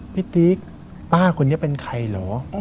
ติ๊กป้าคนนี้เป็นใครเหรอ